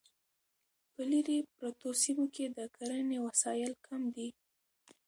په لیرې پرتو سیمو کې د کرنې وسایل کم دي.